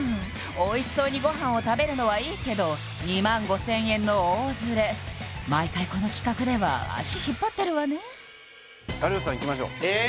おいしそうにご飯を食べるのはいいけど２５０００円の大ズレ毎回この企画では足引っ張ってるわねえっ！？